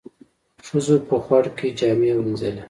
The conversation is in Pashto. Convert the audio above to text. ښځو په خوړ کې جامې وينځلې.